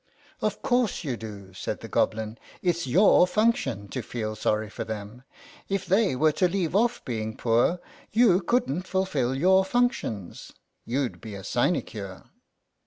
" Of course you do," said the Goblin ; "it's your function to feel sorry for them. If they were to leave off being poor you couldn't fulfil your functions. You'd be a sinecure."